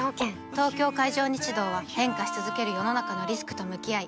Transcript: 東京海上日動は変化し続ける世の中のリスクと向き合い